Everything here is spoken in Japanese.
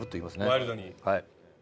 ワイルドに。